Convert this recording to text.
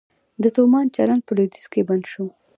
د تومان چلند په لویدیځ کې بند شو؟